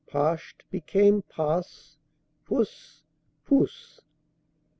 Pasht became pas, pus, puss."